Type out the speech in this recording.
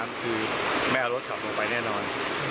คือแม่เอารถขับลงไปแน่นอน